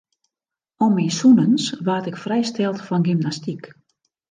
Om myn sûnens waard ik frijsteld fan gymnastyk.